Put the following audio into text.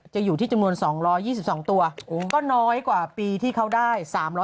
อยู่ที่จำนวน๒๒๒ตัวก็น้อยกว่าปีที่เขาได้๓๐๐